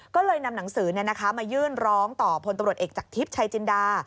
ก็เลยนำหนังสือเนี่ยนะคะมายื่นร้องต่อพลตรเอกจากทศิษย์ชายจินดา